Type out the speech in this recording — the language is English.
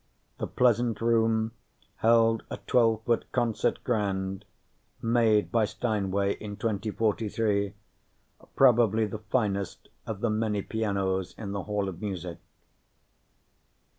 The pleasant room held a twelve foot concert grand, made by Steinway in 2043, probably the finest of the many pianos in the Hall of Music.